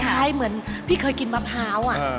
ใช่เหมือนพี่เคยกินมะพร้าว